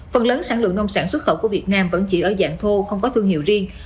phần lớn sản lượng nông sản xuất khẩu của việt nam vẫn chỉ ở dạng thô không có thương hiệu riêng